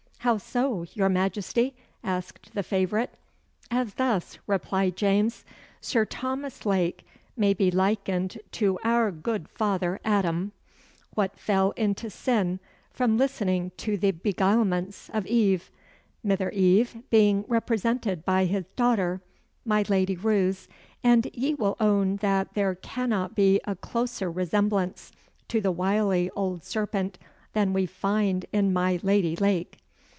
"How so, your Majesty?" asked the favourite. "As thus," replied James. "Sir Thomas Lake may be likened to our gude Father Adam, wha fell into sin frae listening to the beguilements of Eve Mither Eve being represented by his dochter, my Lady Roos and ye will own that there cannot be a closer resemblance to the wily auld serpent than we find in my Lady Lake."